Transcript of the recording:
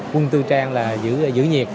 quân tư trang là giữ nhiệt